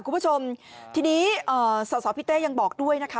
คุณผู้ชมทีนี้สาวพี่เต้ยังบอกด้วยนะคะ